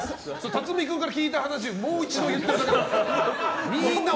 辰巳君から聞いた話をもう一度言ってるだけ。